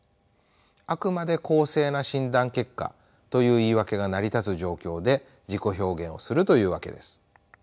あくまで公正な診断結果という言い訳が成り立つ状況で自己表現をするというわけです。